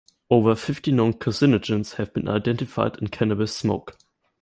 Over fifty known carcinogens have been identified in cannabis smoke.